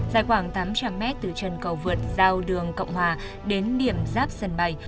dài khoảng tám trăm linh mét từ trần cầu vượt giao đường cộng hòa đến điểm ráp sân bay